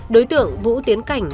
đối tượng vũ tiến cảnh